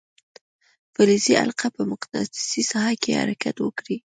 فلزي حلقه په مقناطیسي ساحه کې حرکت وکړي.